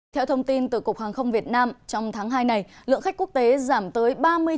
theo thông tin từ cục hàng không việt nam trong tháng hai này lượng khách quốc tế giảm tới ba mươi chín